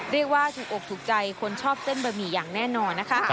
เรียกว่าถูกอกถูกใจคนชอบเส้นบะหมี่อย่างแน่นอนนะคะ